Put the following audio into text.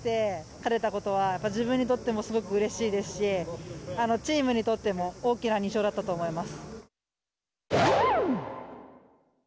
勝てたことは自分にとってもすごくうれしいですし、チームにとっても大きな２勝だったと思います。